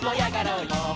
うん！